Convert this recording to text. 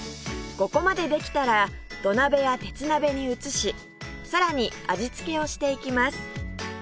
ここまでできたら土鍋や鉄鍋に移しさらに味付けをしていきます